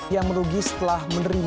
yang merugi setelah menerima